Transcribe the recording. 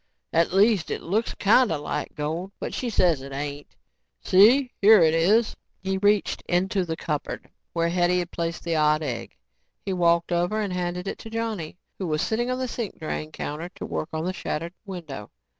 At least, it looks kinda like gold but she says it ain't. See, here it is." He reached into the cupboard where Hetty had placed the odd egg. He walked over and handed it to Johnny who was sitting on the sink drain counter to work on the shattered window.